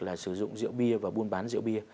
là sử dụng rượu bia và buôn bán rượu bia